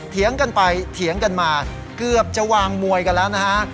เถียงกันไปเถียงกันมาเกือบจะวางมวยกันแล้วนะฮะ